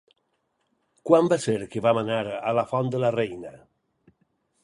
Quan va ser que vam anar a la Font de la Reina?